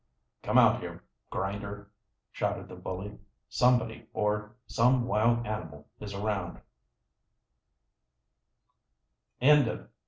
"Come out here, Grinder!" shouted the bully. "Somebody or some wild animal is around!"